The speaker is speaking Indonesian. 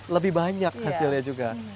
lebih banyak hasilnya juga